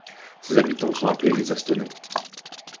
Ses habitants sont appelés les Astonnais.